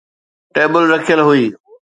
table رکيل هئي